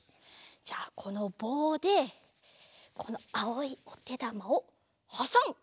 じゃこのぼうでこのあおいおてだまをはさむ！